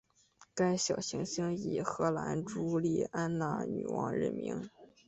该小行星以荷兰朱丽安娜女王命名。